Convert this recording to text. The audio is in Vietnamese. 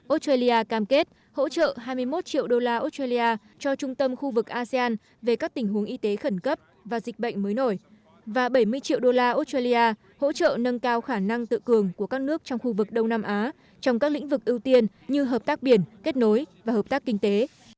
australia cam kết hỗ trợ hai mươi một triệu đô la australia cho trung tâm khu vực asean về các tình huống y tế khẩn cấp và dịch bệnh mới nổi và bảy mươi triệu đô la australia hỗ trợ nâng cao khả năng tự cường của các nước trong khu vực đông nam á trong các lĩnh vực ưu tiên như hợp tác biển kết nối và hợp tác kinh tế